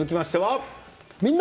「みんな！